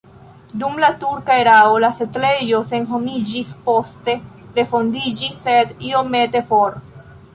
Dum la turka erao la setlejo senhomiĝis, poste refondiĝis, sed iomete for.